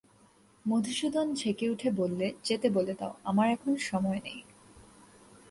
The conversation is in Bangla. মধুসূদন ঝেঁকে উঠে বললে, যেতে বলে দাও, আমার এখন সময় নেই।